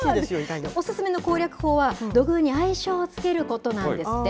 お勧めの攻略法は、土偶に愛称を付けることなんですって。